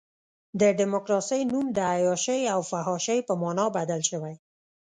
د ډیموکراسۍ نوم د عیاشۍ او فحاشۍ په معنی بدل شوی.